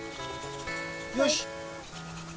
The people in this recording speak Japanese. よし！